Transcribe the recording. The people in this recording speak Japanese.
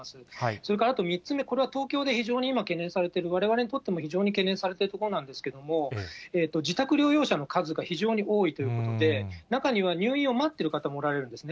それからあと３つ目、これは東京で非常に今、懸念されている、われわれにとっても、非常に懸念されているところなんですけども、自宅療養者の数が非常に多いということで、中には入院を待ってる方もおられるんですね。